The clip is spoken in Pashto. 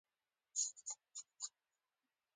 ابرهه د کعبې د ورانولو لپاره را وخوځېد.